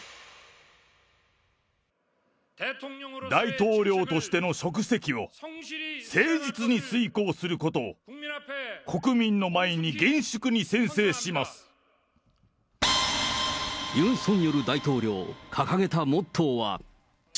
大統領としての職責を誠実に遂行することを国民の前に厳粛にユン・ソンニョル大統領、掲げたモットーは。